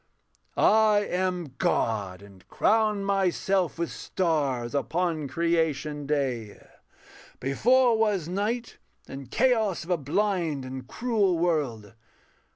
I am God, and crown myself with stars. Upon creation day: before was night And chaos of a blind and cruel world.